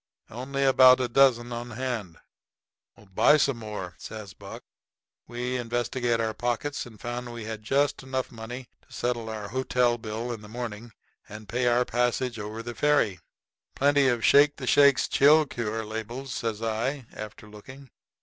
"Only about a dozen on hand." "Buy some more," says Buck. We investigated our pockets and found we had just enough money to settle our hotel bill in the morning and pay our passage over the ferry. "Plenty of the 'Shake the Shakes Chill Cure' labels," says I, after looking.